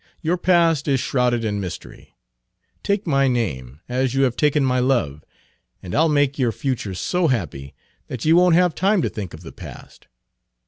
Your past is shrouded in mystery. Take my name, as you have taken my love, and I'll make your future so happy that you won't have time to think of the past.